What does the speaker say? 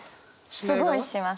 すごいします。